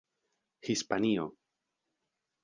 hispanio